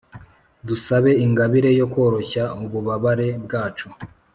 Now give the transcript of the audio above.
dusabe ingabire yo koroshya ububabare bwacu